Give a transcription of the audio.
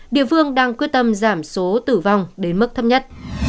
địa phương đang quyết tâm giảm số tử vong đến mức thấp nhất